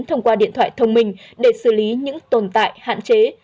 thông qua điện thoại thông minh để xử lý những tồn tại hạn chế